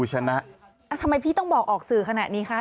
ทำไมพี่ต้องบอกออกสื่อขนาดนี้คะ